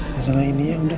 bersalah ini ya udah